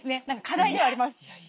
課題ではあります。